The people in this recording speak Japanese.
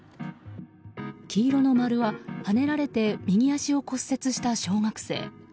黄色の丸ははねられて右足を骨折した小学生。